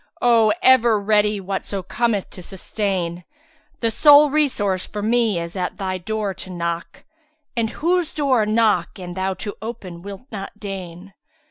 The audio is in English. * O ever ready whatso cometh to sustain! The sole resource for me is at Thy door to knock, * At whose door knock an Thou to open wilt not deign?